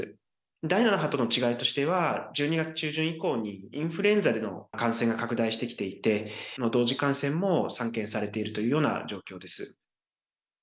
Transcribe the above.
第７波との違いとしては、１２月中旬以降にインフルエンザでの感染が拡大してきていて、同時感染も散見されているというような状況です。